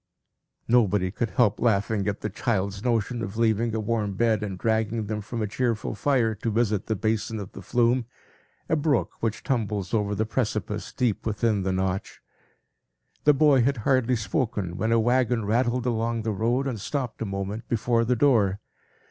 Nobody could help laughing at the child's notion of leaving a warm bed, and dragging them from a cheerful fire, to visit the basin of the Flume, a brook which tumbles over the precipice, deep within the Notch. The boy had hardly spoken, when a wagon rattled along the road, and stopped a moment before the door.